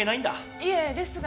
いえですが。